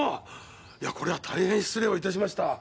いやこれは大変失礼をいたしました。